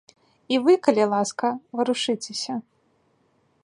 І вы, калі ласка, варушыцеся.